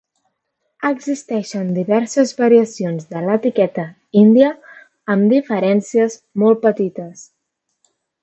Existeixen diverses variacions de l"etiqueta "Índia" amb diferències molt petites.